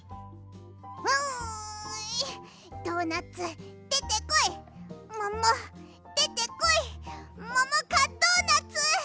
うんドーナツでてこいももでてこいももかドーナツ！